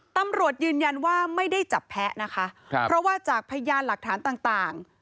ตำรวจยืนยันว่าไม่ได้จับแพ้นะคะครับเพราะว่าจากพยานหลักฐานต่าง